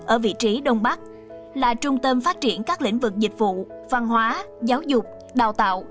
ở vị trí đông bắc là trung tâm phát triển các lĩnh vực dịch vụ văn hóa giáo dục đào tạo